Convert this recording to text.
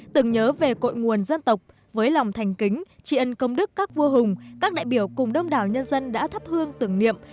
phần dân tộc với lòng thành kính tri ân công đức các vua hùng các đại biểu cùng đông đảo nhân dân đã thắp hương tưởng niệm